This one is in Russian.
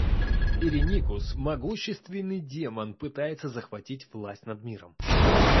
Иреникус, могущественный демон, пытается захватить власть над миром.